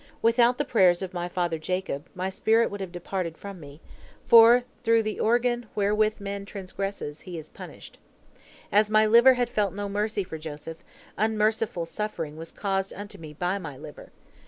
Without the prayers of my father Jacob, my spirit would have departed from me, for through the organ wherewith man transgresses, he is punished. As my liver had felt no mercy for Joseph, unmerciful suffering was caused unto me by my liver.